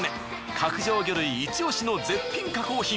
角上魚類イチオシの絶品加工品。